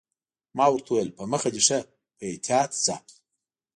ما ورته وویل: په مخه دې ښه، په احتیاط ځه.